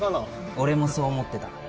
俺もそう思ってた。